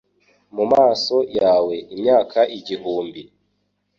Mu maso yawe imyaka igihumbi